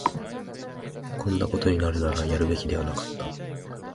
こんなことになるなら、やるべきではなかった